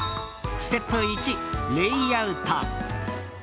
ステップ１、レイアウト。